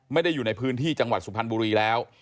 อยู่ในพื้นที่จังหวัดสุพรรณบุรีแล้ว